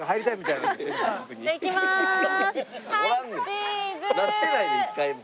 なってないで一回も。